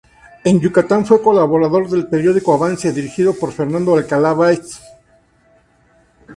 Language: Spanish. En Yucatán fue colaborador del periódico "Avance" dirigido por Fernando Alcalá Bates.